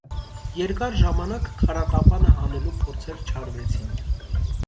Երկար ժամանակ քարատապանը հանելու փորձեր չարվեցին։